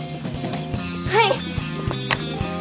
はい！